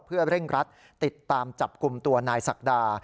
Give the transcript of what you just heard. เพื่อเร่งรัดติดตามจับกลุ่มตัวนายศักดา